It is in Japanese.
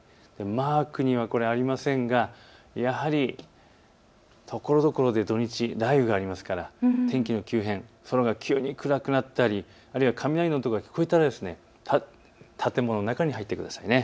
マークにはありませんがやはりところどころで土日、雷雨がありますから天気の急変、空が急に暗くなったりあるいは雷の音が聞こえたら建物の中に入ってください。